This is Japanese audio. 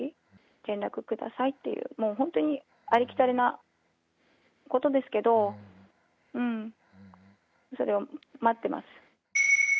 連絡くださいっていう、もう本当に、ありきたりなことですけど、それを待ってます。